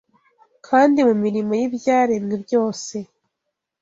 kandi mu mirimo y’ibyaremwe byose